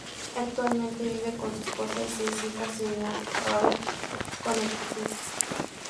Actualmente vive con su esposa y seis hijos en New Haven, Connecticut.